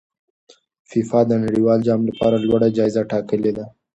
فیفا د نړیوال جام لپاره لوړه جایزه ټاکلې ده.